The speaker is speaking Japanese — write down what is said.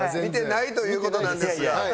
見てないという事なんですが。